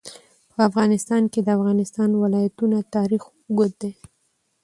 په افغانستان کې د د افغانستان ولايتونه تاریخ اوږد دی.